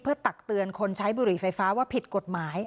ตักเตือนคนใช้บุหรี่ไฟฟ้าว่าผิดกฎหมาย